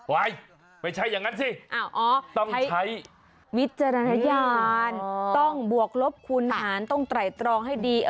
ไม่ใช่อย่างนั้นสิต้องใช้วิจารณญาณต้องบวกลบคูณหารต้องไตรตรองให้ดี